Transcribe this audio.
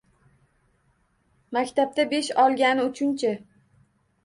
Maktabda besh olgani uchunchi?